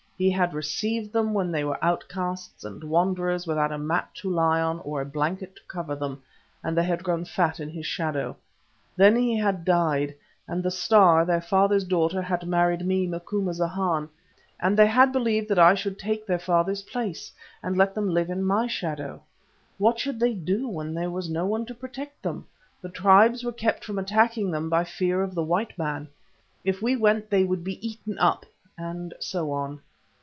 He had received them when they were outcasts and wanderers without a mat to lie on, or a blanket to cover them, and they had grown fat in his shadow. Then he had died, and the Star, their father's daughter, had married me, Macumazahn, and they had believed that I should take their father's place, and let them live in my shadow. What should they do when there was no one to protect them? The tribes were kept from attacking them by fear of the white man. If we went they would be eaten up," and so on.